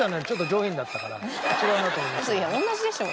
いや同じでしょ。